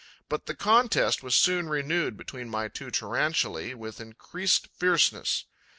But the contest was soon renewed between my two Tarantulae with increased fierceness.